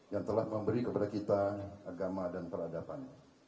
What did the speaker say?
yang telah memberi kepada kita agama dan peradaban